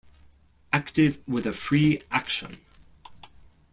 Active with a free action.